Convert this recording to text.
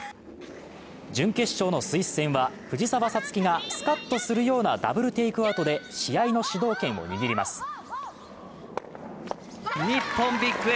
準決勝のスイス戦は藤澤五月がスカッとするようなダブルテイクアウトで試合の主導権を握ります。